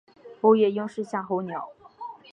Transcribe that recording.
欧夜鹰是夏候鸟。